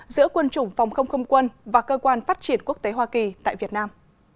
giữa quân chủng phòng không không quân và cơ quan phát triển quốc tế hoa kỳ tại việt nam